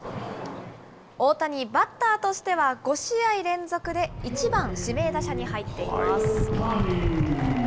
大谷、バッターとしては５試合連続で１番指名打者に入っています。